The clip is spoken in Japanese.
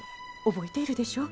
覚えているでしょ。